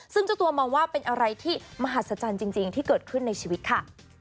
ซึ่งเจ้าตัวมองว่าเป็นอะไรที่มหัศจรรย์จริงที่เกิดขึ้นในชีวิตค่ะ